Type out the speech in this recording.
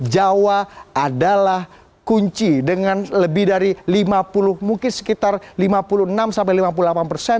jawa adalah kunci dengan lebih dari lima puluh mungkin sekitar lima puluh enam sampai lima puluh delapan persen